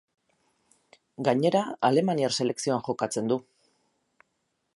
Gainera alemaniar selekzioan jokatzen du.